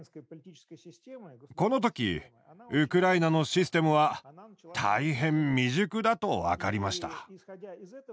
この時ウクライナのシステムは大変未熟だと分かりました。